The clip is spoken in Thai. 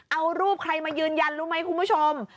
เอารูปใครมายืนยันรู้ไหมคุณผู้ชม